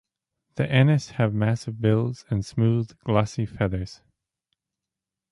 The anis have massive bills and smooth glossy feathers.